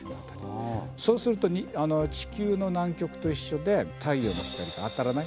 そうすると地球の南極と一緒で太陽の光が当たらない。